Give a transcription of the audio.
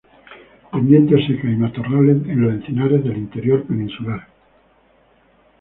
Pendientes secas y matorrales en los encinares del interior peninsular.